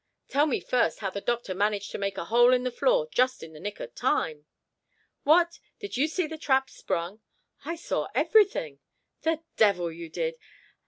"Tell me first how the doctor managed to make a hole in the floor just in the nick of time." "What! did you see the trap sprung?" "I saw everything." "The devil you did!